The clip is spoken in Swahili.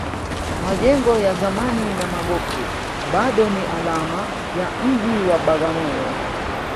majengo ya zamani na magofu bado ni alama ya mji wa bagamoyo